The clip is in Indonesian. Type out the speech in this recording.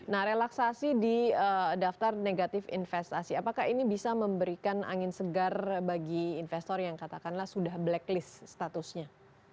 nah relaksasi di daftar negatif investasi apakah ini bisa memberikan angin segar bagi investor yang katakanlah sudah blacklist statusnya